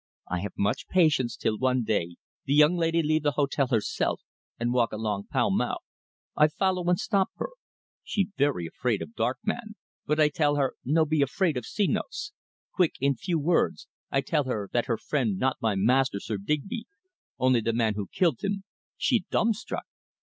I have much patience till one day the young lady leave the hotel herself and walk along Pall Mall. I follow and stop her. She very afraid of dark man, but I tell her no be afraid of Senos. Quick, in few words, I tell her that her friend not my master, Sir Digby only the man who killed him. She dumbstruck.